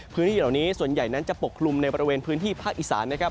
พื้นที่เหล่านี้ส่วนใหญ่นั้นจะปกคลุมในบริเวณพื้นที่ภาคอีสานนะครับ